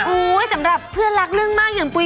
สำหรับเพื่อนรักเรื่องมากอย่างปุ๋ย